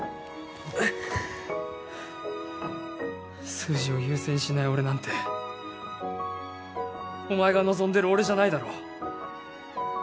数字を優先しない俺なんてお前が望んでる俺じゃないだろ？